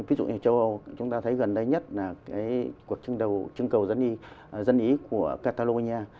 ví dụ như châu âu chúng ta thấy gần đây nhất là cuộc chương đầu chương cầu dân ý của catalonia